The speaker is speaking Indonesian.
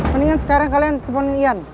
mendingan sekarang kalian temen ian